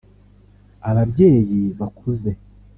ababyeyi bakuze